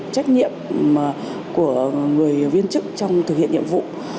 trách nhiệm của người viên chức trong thực hiện nhiệm vụ